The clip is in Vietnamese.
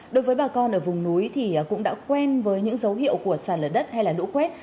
đối với bà con ở vùng núi thì cũng đã quen với những dấu hiệu của sạt lở đất hay lũ quét